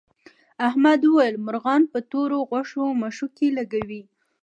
احمد وویل مرغان پر تور غوږو مښوکې لکوي.